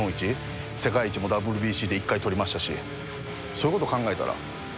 世界一もＷＢＣで１回取りましたしそういうこと考えたら。